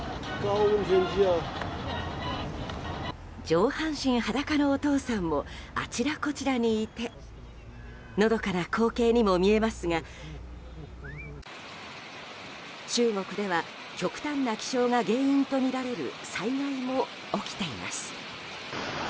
上半身裸のお父さんもあちらこちらにいてのどかな光景にも見えますが中国では極端な気象が原因とみられる災害も起きています。